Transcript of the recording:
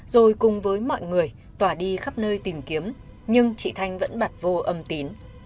rồi cùng với mọi người tỏa đi khắp nơi tìm kiếm nhưng chị thanh vẫn bật vô âm tín